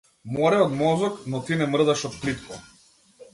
Море од мозок но ти не мрдаш од плитко.